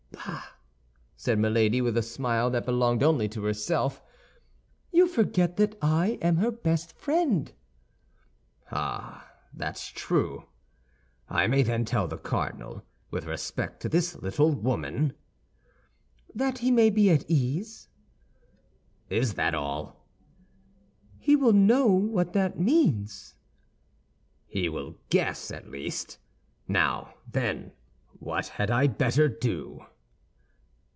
"Bah!" said Milady, with a smile that belonged only to herself; "you forget that I am her best friend." "Ah, that's true! I may then tell the cardinal, with respect to this little woman—" "That he may be at ease." "Is that all?" "He will know what that means." "He will guess, at least. Now, then, what had I better do?"